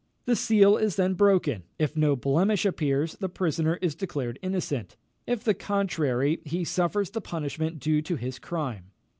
The seal is then broken; if no blemish appears, the prisoner is declared innocent; if the contrary, he suffers the punishment due to his crime."...